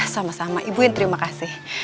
sama sama ibu yang terima kasih